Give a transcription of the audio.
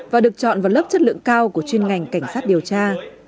và được chọn vào lớp chất lượng cao của chuyên ngành cảnh sát điều tra